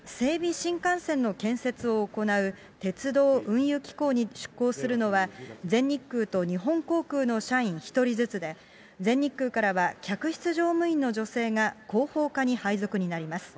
新幹線の建設を行う、鉄道・運輸機構に出向するのは、全日空と日本航空の社員１人ずつで、全日空からは客室乗務員の女性が広報課に配属になります。